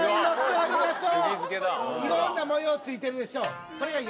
ありがとう！